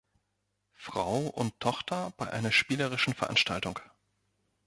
Frau und Tochter bei einer spielerischen Veranstaltung.